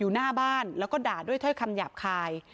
หน้าบ้านแล้วก็ด่าด้วยถ้อยคำหยาบคาย